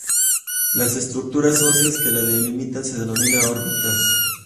Las estructuras óseas que las delimitan se denominan órbitas.